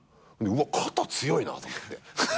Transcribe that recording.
うわっ肩強いなと思って。